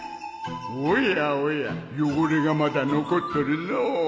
おやおや汚れがまだ残ってるのう